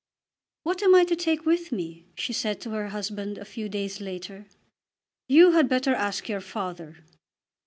"What am I to take with me?" she said to her husband a few days later. "You had better ask your father."